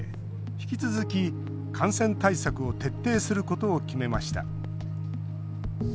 引き続き、感染対策を徹底することを決めました。